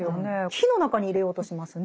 火の中に入れようとしますね。